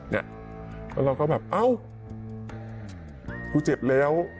แล้วเราก็แบบเอ้ากูเจ็บแล้ว